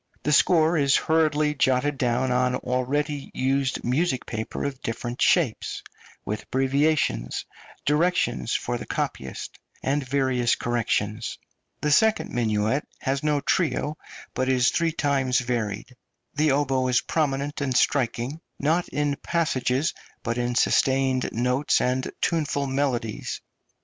The score is hurriedly jotted down on already used music paper of different shapes, with abbreviations, directions for the copyist, and various corrections. The second minuet has no trio, but is three times varied. The oboe is prominent and striking, not in passages, but in sustained notes and tuneful melodies.